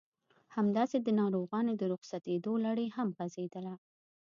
همداسې د ناروغانو د رخصتېدو لړۍ هم غزېدله.